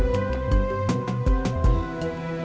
pak saya mau berangkat